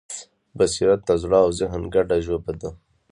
بصیرت د زړه او ذهن ګډه ژبه ده.